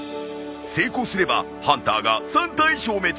成功すればハンターが３体消滅。